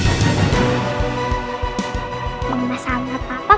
amu selesai bersama papa